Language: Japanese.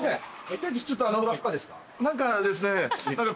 店長何かですね。